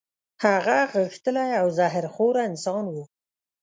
هغه غښتلی او زهر خوره انسان وو.